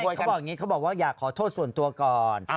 เขาบอกอย่างนี้เขาบอกว่าอยากขอโทษส่วนตัวก่อน